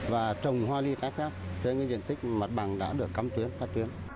và trồng hoa ly phép phép trên những diện tích mặt bằng đã được cắm tuyến phát tuyến